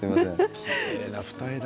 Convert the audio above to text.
きれいな二重だ。